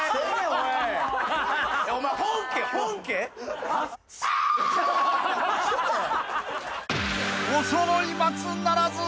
［おそろい松ならず］